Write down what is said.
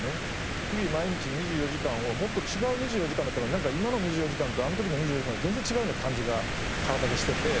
日々毎日２４時間をもっと違う２４時間だったのになんか今の２４時間とあの時の２４時間は全然違うような感じが体でしてて。